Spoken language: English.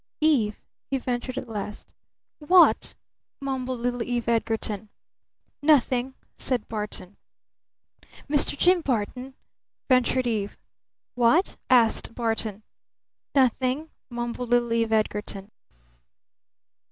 "Eve," he ventured at last. "What?" mumbled little Eve Edgarton. "Nothing," said Barton. "Mr. Jim Barton," ventured Eve. "What?" asked Barton. "Nothing," mumbled little Eve Edgarton.